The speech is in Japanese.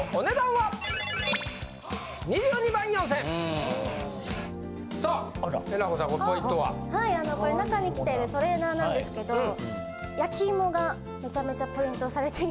はいこれ中に着ているトレーナーなんですけど焼き芋がめちゃめちゃプリントされている。